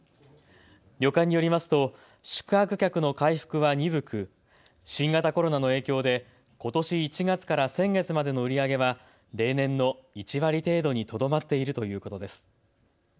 旅館によりますと宿泊客の回復は鈍く新型コロナの影響でことし１月から先月までの売り上げは例年の１割程度にとどまっているということです。